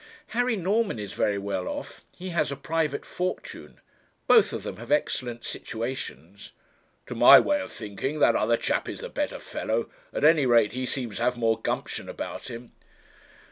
'Harry Norman is very well off; he has a private fortune. Both of them have excellent situations.' 'To my way of thinking that other chap is the better fellow. At any rate he seems to have more gumption about him.'